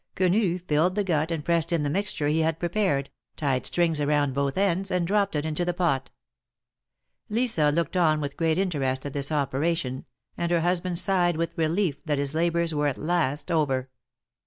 Quenu filled the gut and pressed in the mixture he had prepared, tied strings around both ends and dropped it into the pot. Lisa looked on with great interest at this operation, and her husband sighed with relief that his labors were at last over.